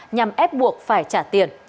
nhằm ép buộc phải trả tiền